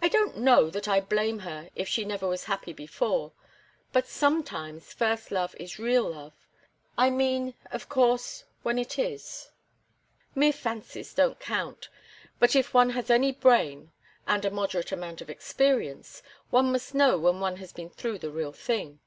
"I don't know that I blame her if she never was happy before; but sometimes first love is real love—I mean, of course, when it is; mere fancies don't count. But if one has any brain and a moderate amount of experience, one must know when one has been through the real thing.